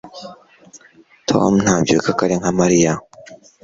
tom ntabyuka kare nka mariya